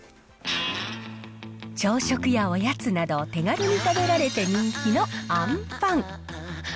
朝食やおやつなど、手軽に食べられて人気のあんパン。